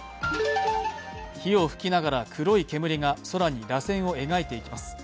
火を噴きながら黒い煙が空にらせんを描いていきます。